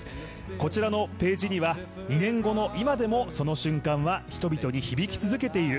こちらのページには２年後の今でもその瞬間は人々に響き続けている。